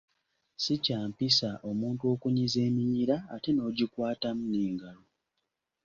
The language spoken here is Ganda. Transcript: Si kya mpisa omuntu okunyiza eminyira ate n’ogikwatamu n’engalo.